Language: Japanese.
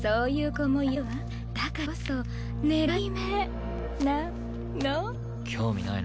だからこそ狙い目なの。